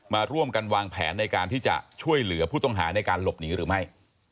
มาร่วมกันวางแผนในการที่จะช่วยเหลือผู้ต้องหาในการหลบหนีหรือไม่